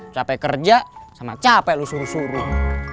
capek kerja sama capek lu suruh suruh